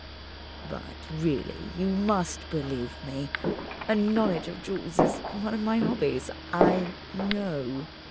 "But really, you must believe me. A knowledge of jewels is one of my hobbies: I _know!